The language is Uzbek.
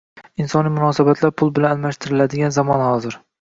insoniy munosabatlar pul bilan almashtiriladigan zamon hozir.